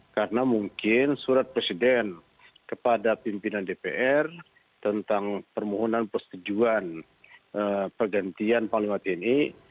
karena mungkin surat presiden kepada pimpinan dpr tentang permohonan persetujuan pergantian panglima tni